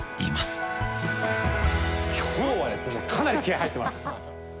今日はですねかなり気合い入ってます！